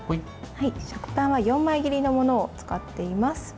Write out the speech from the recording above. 食パンは４枚切りのものを使っています。